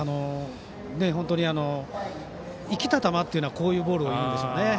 本当に生きた球というのはこういうボールをいうんでしょう。